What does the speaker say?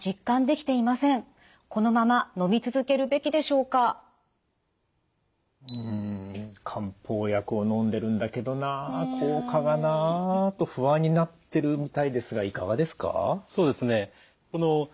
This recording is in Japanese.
うん漢方薬をのんでるんだけどな効果がなと不安になってるみたいですがいかがですか？